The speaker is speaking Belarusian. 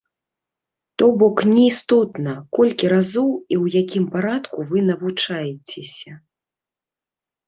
То бок, не істотна, колькі разоў і ў якім парадку вы навучаецеся.